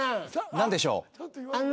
何でしょう？